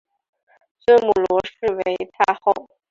尊母罗氏为太后。